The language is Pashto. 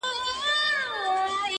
گراني چي د ټول كلي ملكه سې!